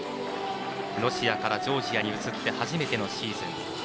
ロシアからジョージアに移って初めてのシーズン。